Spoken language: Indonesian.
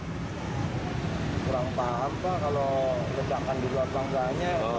kurang paham pak kalau lejakan di luar bangkanya